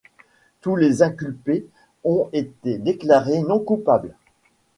Tous les inculpés ont été déclarés non coupables.